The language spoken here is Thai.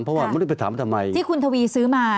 เพราะว่าไม่รู้ไปถามทำไมที่คุณทวีซื้อมา